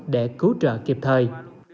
để cứu trợ kịp thời